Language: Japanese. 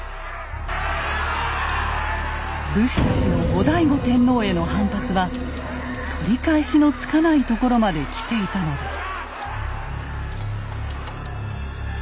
武士たちの後醍醐天皇への反発は取り返しのつかないところまできていたのです。